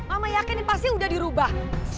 mama yakin pasti udah dirubah